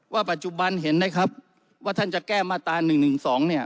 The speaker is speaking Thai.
ปัจจุบันเห็นไหมครับว่าท่านจะแก้มาตรา๑๑๒เนี่ย